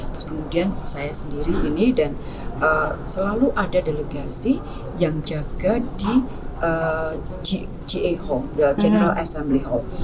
terus kemudian saya sendiri ini dan selalu ada delegasi yang jaga di general assembly hall